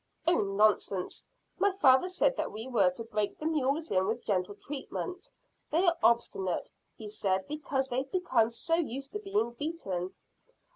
"Oh, nonsense! My father said that we were to break the mules in with gentle treatment. They are obstinate, he said, because they've become so used to being beaten."